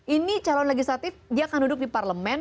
ini calon legislatif dia akan duduk di parlemen